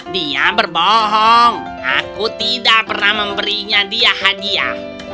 dia berbohong aku tidak pernah memberinya dia hadiah